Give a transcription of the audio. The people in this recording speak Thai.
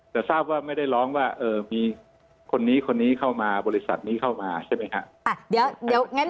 แต่ทราบว่าไม่ได้ร้องว่ามีคนนี้คนนี้เข้ามาบริษัทนี้เข้ามาใช่ไหมครับ